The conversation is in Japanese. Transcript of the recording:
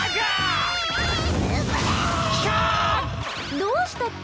どうしたっちゃ？